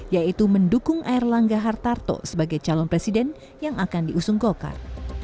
yaitu mendukung erlangga hartarto sebagai calon presiden yang akan diusung golkar